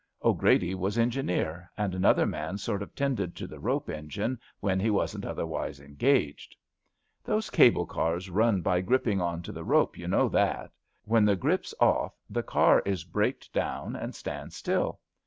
'Grady was engineer, and another man sort of tended to th^ rope engine when he wasn't otherwise engaged. 190 ABAFT THE FUNNEL Those cable cars nrn by gripping on to the rope. You know that^ When the grip's off the car is braked down and stands still.